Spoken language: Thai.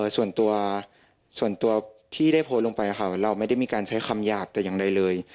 ส่วนตัวส่วนตัวที่ได้โพสต์ลงไปเราไม่ได้มีการใช้คำหยาบแต่อย่างใดเลย